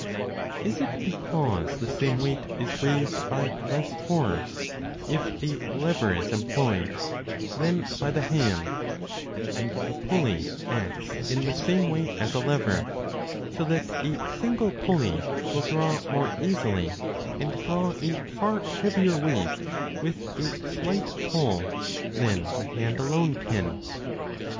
Is it because the same weight is raised by less force, if a lever is employed, 853 than by the hand, and the pulley acts in the same way as a lever, so that a single pulley will draw more easily and draw a far heavier weight with a slight pull than the hand alone can